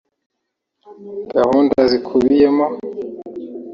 Gahunda ziyikubiyemo